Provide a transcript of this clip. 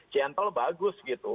jantol bagus gitu